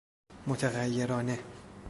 متغیرانه